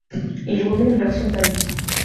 Il remonte vers son panier.